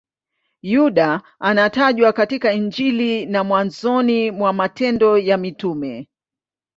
Yuda anatajwa katika Injili na mwanzoni mwa Matendo ya Mitume.